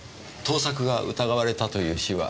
盗作が疑われたという詩は。